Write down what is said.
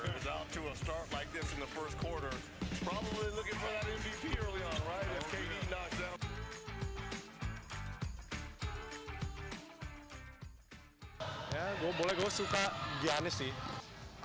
boleh boleh gue suka giannis sih